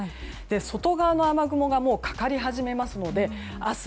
外側の雨雲がかかり始めますので明日